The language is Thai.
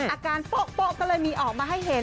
โป๊ะก็เลยมีออกมาให้เห็น